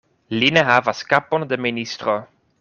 Li ne havas kapon de ministro.